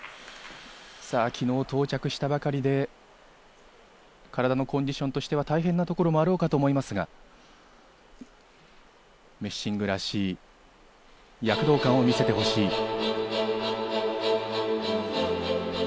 昨日到着したばかりで体のコンディションとしては大変なところもあろうかと思いますが、メッシングらしい躍動感を見せてほしい。